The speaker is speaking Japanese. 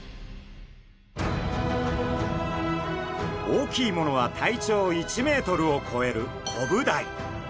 大きいものは体長１メートルを超えるコブダイ。